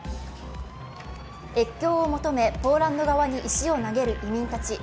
越境を求めポーランド側に石を投げる移民たち。